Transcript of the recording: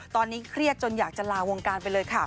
ตอนนี้เครียดจนอยากจะลาวงการไปเลยค่ะ